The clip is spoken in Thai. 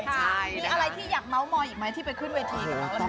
มีอะไรที่อยากเม้ามอยอีกไหมที่ไปขึ้นเวทีกับเรา